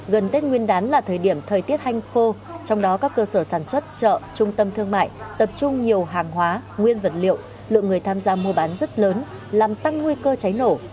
gần tết nguyên đán là thời điểm thời tiết hanh khô trong đó các cơ sở sản xuất chợ trung tâm thương mại tập trung nhiều hàng hóa nguyên vật liệu người tham gia mua bán rất lớn làm tăng nguy cơ cháy nổ